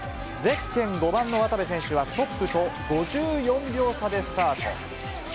ゼッケン５番の渡部選手は、トップと５４秒差でスタート。